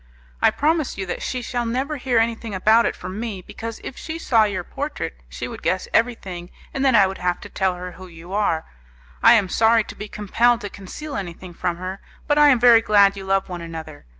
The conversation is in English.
I promise you that she shall never hear anything about it from me, because if she saw your portrait, she would guess everything, and then I should have to tell her who you are. I am sorry to be compelled to conceal anything from her, but I am very glad you love one another.